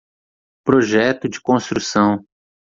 Projeto de construção